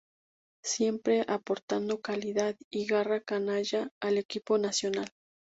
Siempre aportando calidad y garra canalla al equipo nacional.